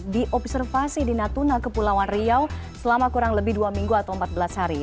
diobservasi di natuna kepulauan riau selama kurang lebih dua minggu atau empat belas hari